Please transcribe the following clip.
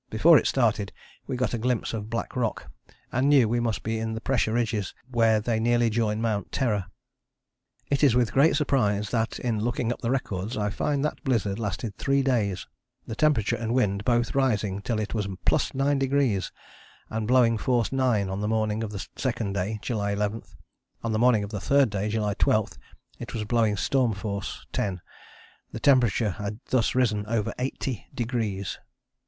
Before it started we got a glimpse of black rock and knew we must be in the pressure ridges where they nearly join Mount Terror. It is with great surprise that in looking up the records I find that blizzard lasted three days, the temperature and wind both rising till it was +9° and blowing force 9 on the morning of the second day (July 11). On the morning of the third day (July 12) it was blowing storm force (10). The temperature had thus risen over eighty degrees.